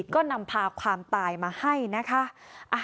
ก็นำพาความตายมาให้นะคะ